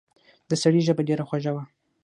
د سړي ژبه ډېره خوږه وه.